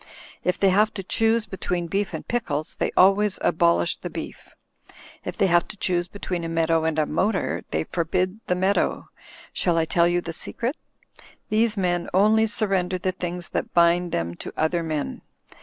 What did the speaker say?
If they have to choose be tween beef and pickles, they always abolish the beef. If they have to choose between a meadow and a motor, they forbid the meadow. Shall I tell you the secret? These men only surrender the things that bind them to other men.